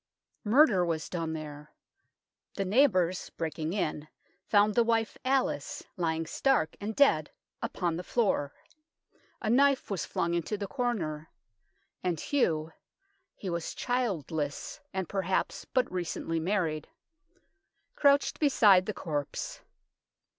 Murder was done there. The neighbours, breaking in, found the wife Alice lying stark and dead upon the floor. A knife was flung into the corner, and Hugh he was childless, and perhaps but recently married crouched beside the corpse.